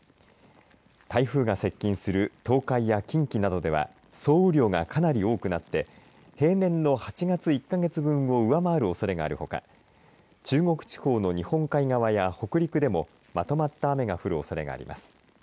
台風が接近する東海や近畿などでは総雨量がかなり多くなって平年の８月１か月分を上回るおそれがあるほか、中国地方の日本海側や北陸でもまとまった雨が降るおそれがあります。